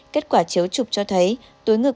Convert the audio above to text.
kết quả chiếu chụp cho thấy túi ngực